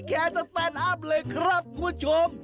แคร์สแตนอัพเลยครับคุณผู้ชม